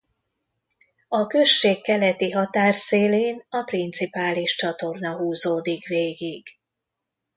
A község keleti határszélén a Principális-csatorna húzódik végig.